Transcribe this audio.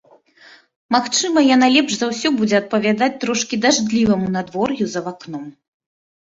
Магчыма, яна лепш за ўсё будзе адпавядаць трошкі дажджліваму надвор'ю за вакном.